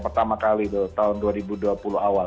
pertama kali itu tahun dua ribu dua puluh awal